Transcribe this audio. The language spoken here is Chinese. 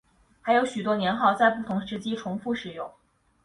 还有许多年号在不同时期重复使用。